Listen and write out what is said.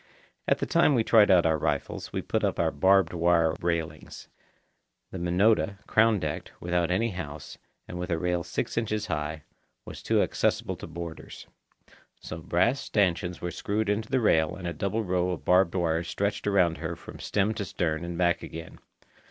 At the time we tried out our rifles we put up our barbed wire railings. The Minota, crown decked, without any house, and with a rail six inches high, was too accessible to boarders. So brass stanchions were screwed into the rail and a double row of barbed wire stretched around her from stem to stern and back again.